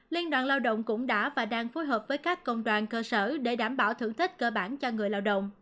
liên đoàn lao động cũng đã và đang phối hợp với các công đoàn cơ sở để đảm bảo thưởng thức cơ bản cho người lao động